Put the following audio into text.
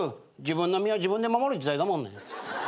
自分の身は自分で守る時代だもんね。